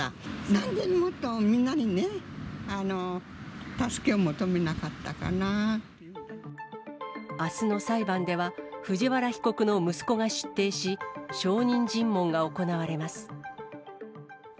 なんでもっと、みんなにね、あすの裁判では、藤原被告の息子が出廷し、証人尋問が行われます。